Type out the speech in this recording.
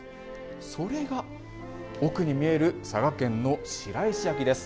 それが奥に見える佐賀県の白石焼です。